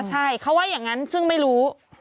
ใช่เขาว่าอย่างนั้นซึ่งไม่รู้